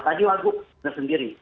tadi wargu sendiri